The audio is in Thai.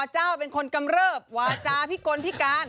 เจ้าเป็นคนกำเริบวาจาพิกลพิการ